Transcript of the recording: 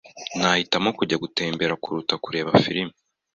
Nahitamo kujya gutembera kuruta kureba firime.